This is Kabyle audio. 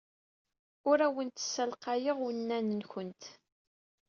Ur awent-ssalqayeɣ unan-nwent.